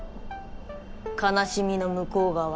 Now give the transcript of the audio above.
悲しみの向う側。